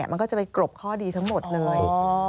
มันก็จะไปกรบข้อดีทั้งหมดเลย